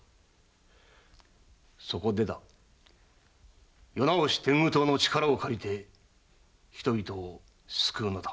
そこでだ世直し天狗党の力を借りて人々を救うのだ。